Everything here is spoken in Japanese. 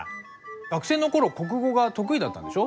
学生の頃国語が得意だったんでしょ？